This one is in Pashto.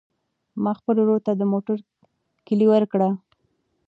ما خپل ورور ته د موټر کیلي ورکړه.